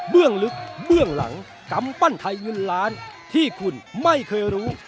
ลึกเบื้องหลังกำปั้นไทยเงินล้านที่คุณไม่เคยรู้